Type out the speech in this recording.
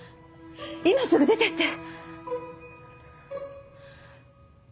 今すぐ出てって！